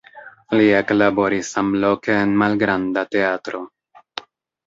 Li eklaboris samloke en malgranda teatro.